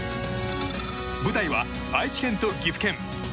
舞台は、愛知県と岐阜県。